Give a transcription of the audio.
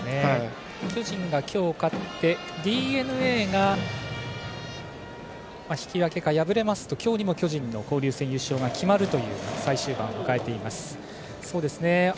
巨人が今日勝ってＤｅＮＡが引き分けか敗れますと今日にも巨人の交流戦優勝が決まるという最終盤を迎えています。